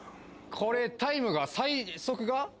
これタイムが最速が？